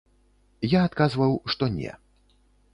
Я адказваў, што не.